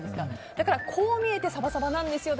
だからこう見えてサバサバなんですよ